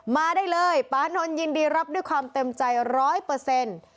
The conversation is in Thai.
มาได้เลยปานนท์ยินดีรับด้วยความเต็มใจร้อยเปอร์เซ็นต์